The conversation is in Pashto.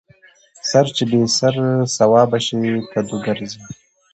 ـ سر چې بې سر سوابه شي کدو ګرځي.